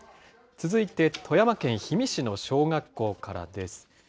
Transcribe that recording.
続いて、富山県氷見市の小学校からです。